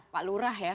pak lurah ya